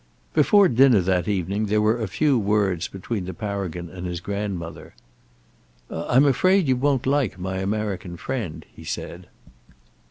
Before dinner that evening there were a few words between the Paragon and his grandmother. "I'm afraid you won't like my American friend," he said.